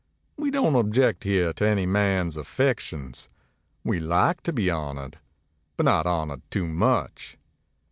We don't object here to any man's affections; we like to be honored, but not honored too much.